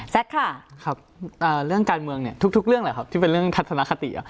แซ็คค่ะเรื่องการเมืองเนี่ยทุกเรื่องแหละครับเป็นเรื่องทัศนคตินะครับ